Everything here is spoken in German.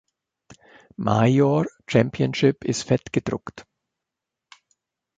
Major Championship ist fett gedruckt.